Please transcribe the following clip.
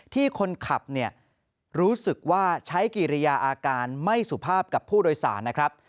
ที่คนขับรู้สึกว่าใช้กิริยาอาการไม่สุภาพกับผู้โดยสารนะครับ